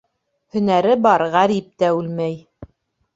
Һөнәре бар ғәрип тә үлмәй.